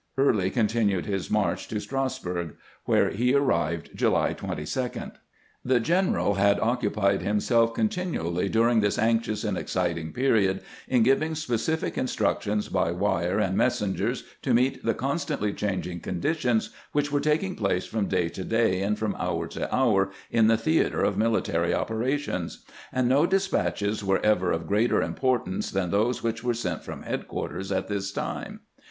Early continued his march to Strasburg, where he arrived July 22. The general had occupied himself continually during this anxious and exciting period in giving specific in structions by wire and messengers to meet the con stantly changing conditions which were taking place from day to day and from hour to hour in the theater of military operations ; and no despatches were ever of greater importance than those which were sent from headquarters at this time.